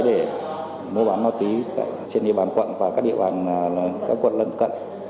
để mua bàn ma túy trên địa bàn quận và các địa bàn quận lận cận